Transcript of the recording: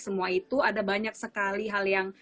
semua itu ada banyak sekali hal yang